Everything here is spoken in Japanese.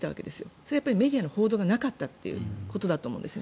それはメディアの報道がなかったということだと思うんです。